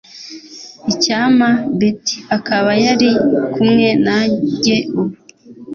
Icyampa Beth akaba yari kumwe nanjye ubu .